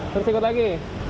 terus ikut lagi